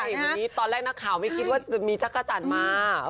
อย่างนี้ตอนแรกนักข่าวไม่คิดว่าจะมีจักรจันทร์มา